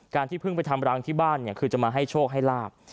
ที่เพิ่งไปทำรังที่บ้านเนี่ยคือจะมาให้โชคให้ลาบ